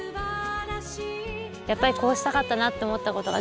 やっぱりこうしたかったなって思ったことが。